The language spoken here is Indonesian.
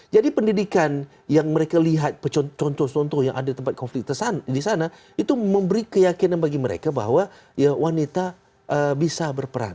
jadi pendidikan yang mereka lihat contoh contoh yang ada tempat konflik di sana itu memberi keyakinan bagi mereka bahwa ya wanita bisa berperan